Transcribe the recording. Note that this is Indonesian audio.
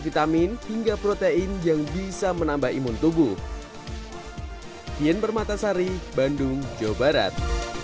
vitamin hingga protein yang bisa menambah imun tubuh kien bermata sari bandung jawa barat